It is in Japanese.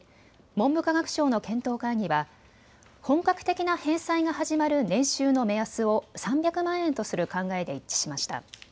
文部科学省の検討会議は本格的な返済が始まる年収の目安を３００万円とする考えで一致しました。